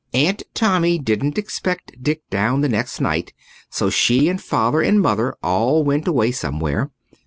Aunt Tommy didn't expect Dick down the next night, so she and Father and Mother all went away somewhere.